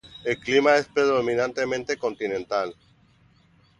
El clima es predominantemente continental.